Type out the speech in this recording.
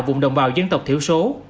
vùng đồng bào dân tộc thiểu số